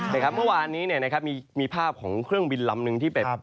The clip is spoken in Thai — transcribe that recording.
เมื่อวานนี้มีภาพของเครื่องบินลำนึงที่เป็น